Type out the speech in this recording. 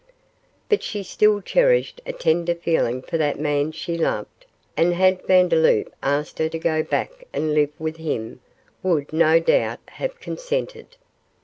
But she still cherished a tender feeling for the man she loved, and had Vandeloup asked her to go back and live with him, would, no doubt, have consented.